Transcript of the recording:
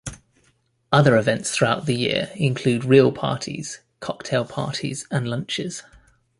Other events throughout the year include reel parties, cocktail parties and lunches.